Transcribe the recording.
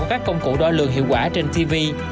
của các công cụ đo lượng hiệu quả trên tv